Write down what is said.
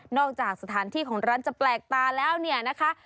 จากสถานที่ของร้านจะแปลกตาแล้วเนี่ยนะคะ